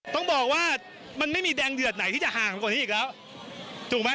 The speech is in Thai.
ต้องบอกว่ามันไม่มีแดงเดือดไหนที่จะห่างกว่านี้อีกแล้วถูกไหม